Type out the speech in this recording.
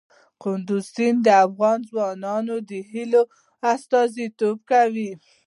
کندز سیند د افغان ځوانانو د هیلو استازیتوب کوي.